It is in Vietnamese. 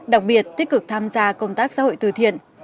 đặc biệt tích cực tham gia công tác xã hội từ thiện